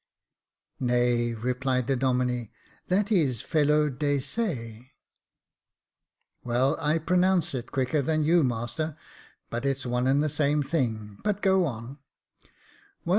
" Nay," replied the Domine, that isfelo de seJ^ *' Well, I pronounce it quicker than you, master ; but it's one and the same thing : but to go on.